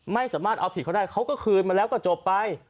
ไม่สามารถเอาผิดเขาได้เขาก็คืนมาแล้วก็จบไป